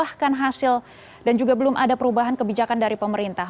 yang berunjuk rasa dan belum membuahkan hasil dan juga belum ada perubahan kebijakan dari pemerintah